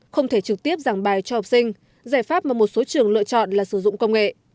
không thể trực tiếp giảng bài cho học sinh giải pháp mà một số trường lựa chọn là sử dụng công nghệ